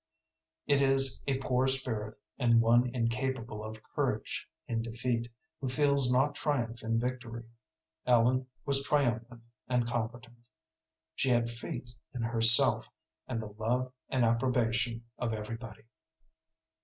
It is a poor spirit, and one incapable of courage in defeat, who feels not triumph in victory. Ellen was triumphant and confident. She had faith in herself and the love and approbation of everybody.